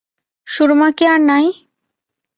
সুরমা কি আর নাই?